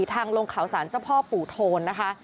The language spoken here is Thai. ทางลงเขาสารเจ้าพ่อปู่โทนนะคะ